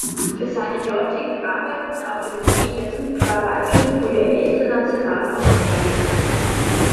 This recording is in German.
Für seine dortigen Arbeiten auf dem Gebiet der Supraleitung wurde er international ausgezeichnet.